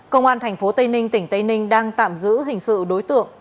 công an thành phố tây ninh tỉnh tây ninh đang tạm giữ hình sự đối tượng